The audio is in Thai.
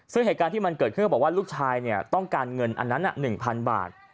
ซึ่งเหตุการณ์ที่มันเกิดขึ้นเขาบอกว่าลูกชายต้องการเงินอันนั้น๑๐๐๐บาท